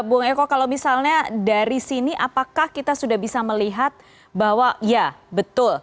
bung eko kalau misalnya dari sini apakah kita sudah bisa melihat bahwa ya betul